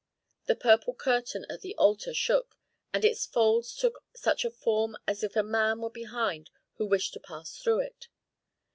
The purple curtain at the altar shook, and its folds took such a form as if a man were behind who wished to pass through it.